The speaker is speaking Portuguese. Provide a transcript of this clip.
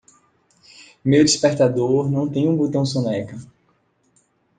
Meu despertador não tem um botão soneca.